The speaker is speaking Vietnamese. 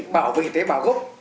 bảo vệ tế bào gốc